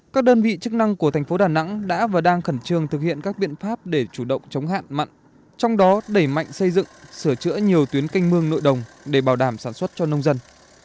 các đơn vị chức năng của thành phố đà nẵng đã và đang khẩn trương thực hiện các biện pháp để chủ động chống hạn mặn trong đó đẩy mạnh xây dựng sửa chữa nhiều tuyến canh mương nội đồng để bảo đảm sản xuất cho nông dân